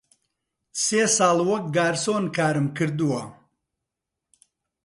سێ ساڵ وەک گارسۆن کارم کردووە.